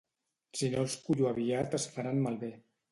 Si no els cullo aviat es faran malbé